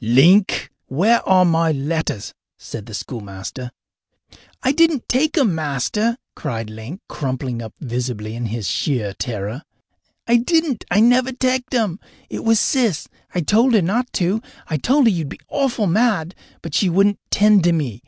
"Link, where are my letters?" said the schoolmaster. "I didn't take 'em, Master!" cried Link, crumpling up visibly in his sheer terror. "I didn't. I never teched 'em! It was Sis. I told her not to I told her you'd be awful mad, but she wouldn't tend to me.